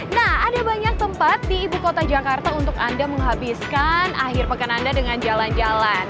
nah ada banyak tempat di ibu kota jakarta untuk anda menghabiskan akhir pekan anda dengan jalan jalan